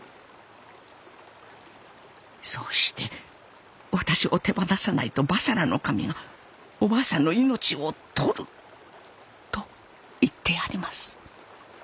そうして私を手放さないと婆娑羅の神がお婆さんの命を取ると言ってやります。